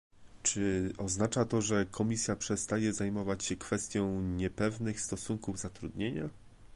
Czy oznacza to, że Komisja przestaje zajmować się kwestią niepewnych stosunków zatrudnienia?